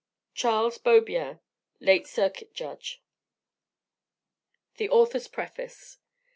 CHARLES BEAUBIEN, LATE CIRCUIT JUDGE. THE AUTHOR'S PREFACE.